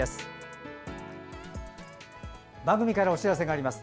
番組からお知らせがあります。